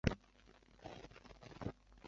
仁敦冈书室属三进两院式设计。